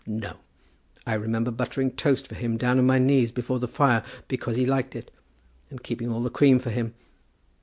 No! I remember buttering toast for him down on my knees before the fire, because he liked it, and keeping all the cream for him.